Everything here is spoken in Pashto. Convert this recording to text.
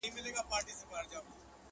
د نغري غاړو ته هواري دوې کمبلي زړې٫